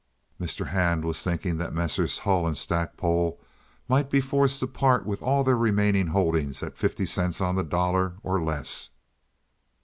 Mr. Hand was thinking that Messrs. Hull and Stackpole might be forced to part with all their remaining holdings at fifty cents on the dollar or less.